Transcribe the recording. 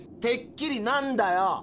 「てっきり」なんだよ！